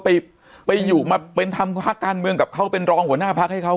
ไปไปอยู่มาเป็นทำพักการเมืองกับเขาเป็นรองหัวหน้าพักให้เขา